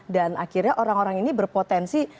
dan akhirnya orang orang ini berpotensi